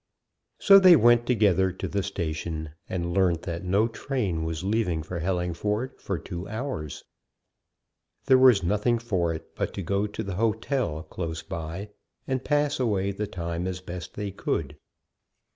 So they went together to the station, and learnt that no train was leaving for Hellingford for two hours. There was nothing for it but to go to the hotel close by, and pass away the time as best they could.